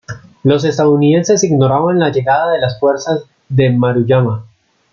Los estadounidenses ignoraban la llegada de las fuerzas de Maruyama.